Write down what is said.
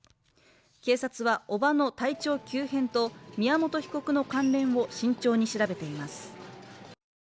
警察は叔母の体調急変と宮本被告の関連を慎重に調べています。